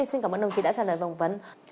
xin cảm ơn đồng chí đã trả lời phỏng vấn